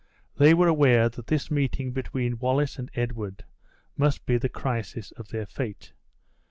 They were aware that this meeting between Wallace and Edward must be the crisis of their fate.